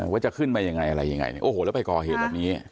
ว่าจะขึ้นมายังไงอะไรยังไงเนี่ยโอ้โหแล้วไปก่อเหตุแบบนี้